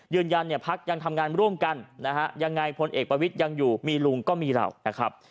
ยืนยันพลักษณ์ยังทำงานร่วมกันยังไงพลเอกประวิทธิ์ยังอยู่มีลุงก็มีเรา